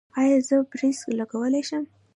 ایا زه برېس لګولی شم؟